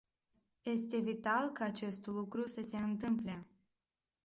Este vital ca acest lucru să se întâmple.